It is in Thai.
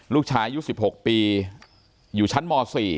ลูกชายอายุ๑๖ปีอยู่ชั้นม๔